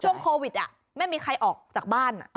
ช่วงโควิดไม่มีใครออกจากบ้าน